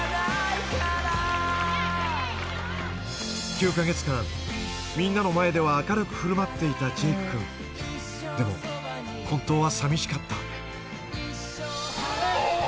９か月間みんなの前では明るく振る舞っていたジェイク君でも本当は寂しかったママ！